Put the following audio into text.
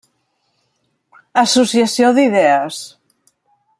Associació d'idees.